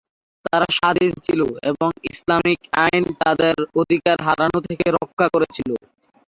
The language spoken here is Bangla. তারা স্বাধীন ছিল এবং ইসলামিক আইন তাদের অধিকার হারানো থেকে রক্ষা করেছিল।